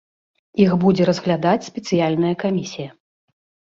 Іх будзе разглядаць спецыяльная камісія.